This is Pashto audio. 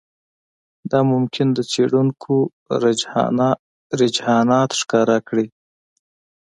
دا ممکن د څېړونکو رجحانات ښکاره کړي